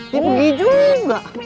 dia pergi juga